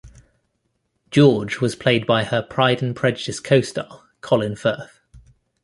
George was played by her "Pride and Prejudice" costar Colin Firth.